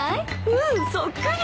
うんそっくり。